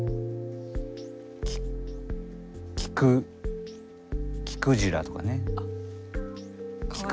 き聴く聴クジラとかね。